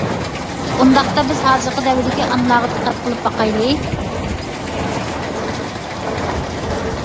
ئۇنداقتا بىز ھازىرقى دەۋردىكى ئانىلارغا دىققەت قىلىپ باقايلى.